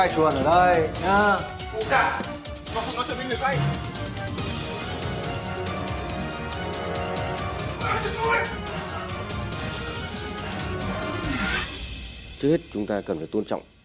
trước hết chúng ta cần phải tôn trọng